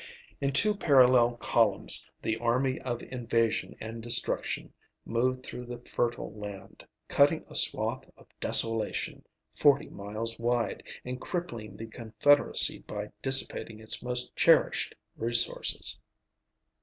In two parallel columns the army of invasion and destruction moved through the fertile land, cutting a swath of desolation forty miles wide, and crippling the Confederacy by dissipating its most cherished resources.